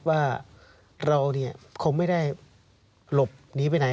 ว่าเราคงไม่ได้หลบหนีไปไหน